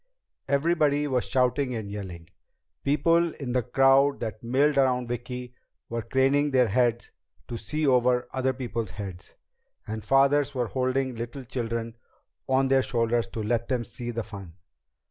Everybody was shouting and yelling. People in the crowd that milled around Vicki were craning their heads to see over other people's heads, and fathers were holding little children on their shoulders to let them see the fun.